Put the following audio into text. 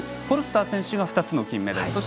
フォルスター選手が２つ金メダル。